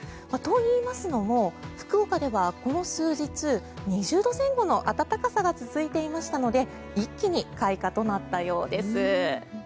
といいますのも福岡ではここ数日２０度前後の暖かさが続いていましたので一気に開花となったようです。